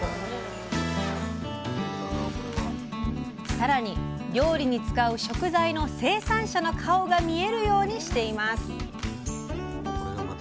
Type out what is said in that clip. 更に料理に使う食材の生産者の顔が見えるようにしています。